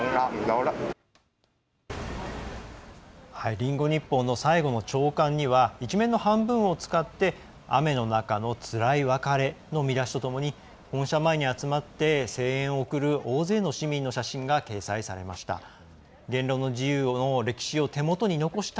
リンゴ日報の最後の朝刊には１面の半分を使って「雨の中のつらい別れ」の見出しとともに本社前に集まって声援を送る大勢の市民の写真が掲載されました。